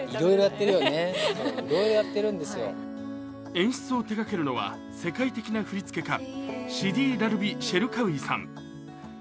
演出を手がけるのは世界的な振付家、シディ・ラルビ・シェルカウイさん。